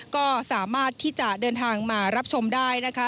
ก็สามารถที่จะเดินทางมารับชมได้นะคะ